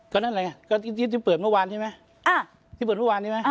ก็นั้นเลยก็ยืนที่เปิดเมื่อวานใช่ไหม